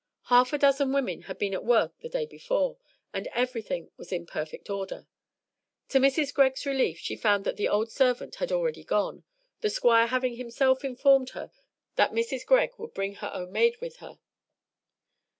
Half a dozen women had been at work the day before, and everything was in perfect order. To Mrs. Greg's relief she found that the old servant had already gone, the Squire having himself informed her that Mrs. Greg would bring her own maid with her.